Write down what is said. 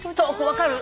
分かる？